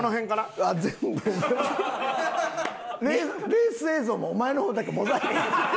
レース映像もお前の方だけモザイク。